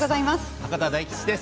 博多大吉です。